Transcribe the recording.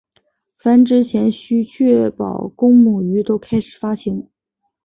繁殖前须确保公母鱼都开始发情。